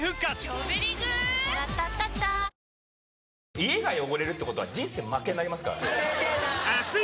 家が汚れるっていうことは、人生負けになりますからね。